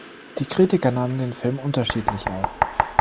Die Kritiker nahmen den Film unterschiedlich auf.